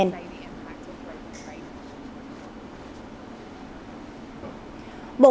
bộ ngoại giao pháp